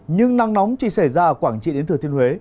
nhưng nắng nóng chỉ xảy ra ở quảng trị đến thừa thiên huế